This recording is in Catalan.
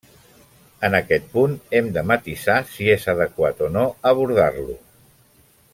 En aquest punt hem de matisar si és adequat o no abordar-lo.